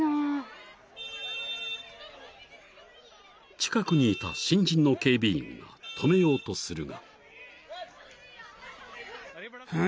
［近くにいた新人の警備員が止めようとするが］